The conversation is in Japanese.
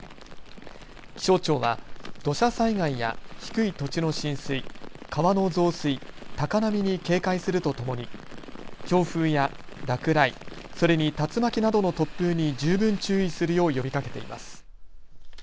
気象庁は土砂災害や低い土地の浸水、川の増水、高波に警戒するとともに強風や落雷、それに竜巻などの突風に十分注意するよう呼びかけています。